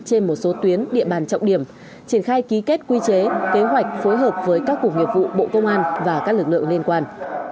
trên một số tuyến địa bàn trọng điểm triển khai ký kết quy chế kế hoạch phối hợp với các cục nghiệp vụ bộ công an và các lực lượng liên quan